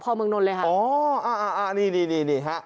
ไปสพเมืองนลเลยค่ะ